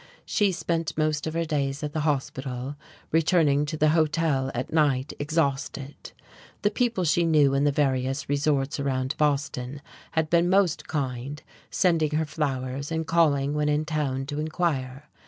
She spent most of her days at the hospital, returning to the hotel at night exhausted: the people she knew in the various resorts around Boston had been most kind, sending her flowers, and calling when in town to inquire.